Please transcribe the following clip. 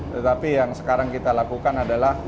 tetapi yang sekarang kita lakukan adalah